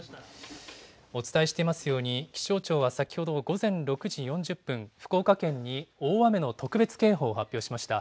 お伝えしていますように、気象庁は先ほど午前６時４０分、福岡県に大雨の特別警報を発表しました。